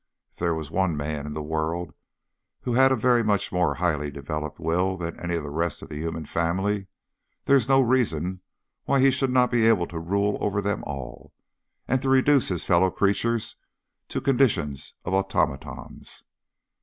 If there was one man in the world who had a very much more highly developed will than any of the rest of the human family, there is no reason why he should not be able to rule over them all, and to reduce his fellow creatures to the condition of automatons.